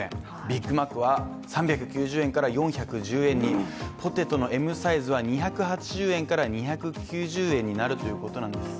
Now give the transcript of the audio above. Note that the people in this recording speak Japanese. ビッグマックは３９０円から４１０円にポテトのＭサイズは２８０円から２９０円になるということなんです。